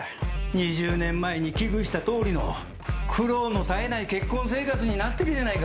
２０年前に危惧した通りの苦労の絶えない結婚生活になってるじゃないか。